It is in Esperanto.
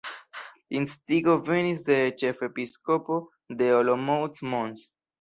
Instigo venis de ĉefepiskopo de Olomouc Mons.